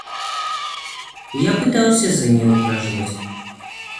Я пытался за ней ухаживать.